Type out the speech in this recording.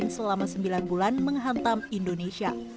selama sembilan bulan menghantam indonesia